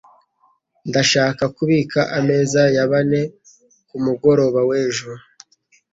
Ndashaka kubika ameza ya bane kumugoroba w'ejo.